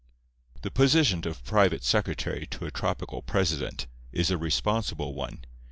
The position of private secretary to a tropical president is a responsible one.